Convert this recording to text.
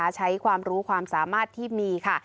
ใช้ความรู้ความสามารถที่มีค่ะ